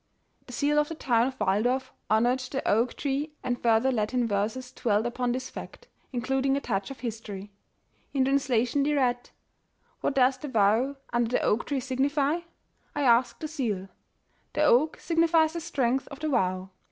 The seal of the town of Waldorf honored the oak tree, and further Latin verses dwelt upon this fact, in eluding a touch of history. In translation they read: '^ 'What does the vow under the oak tree signify'? I ask the seal. The oak signifies the strength of the vow.